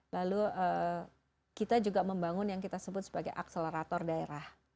lalu kita juga membangun yang kita sebut sebagai akselerator daerah